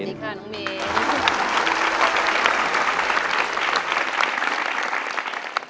สวัสดีค่ะน้องมิ้น